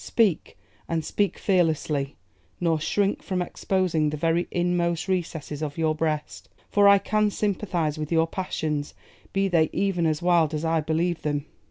Speak, and speak fearlessly; nor shrink from exposing the very inmost recesses of your breast; for I can sympathise with your passions, be they even as wild as I believe them.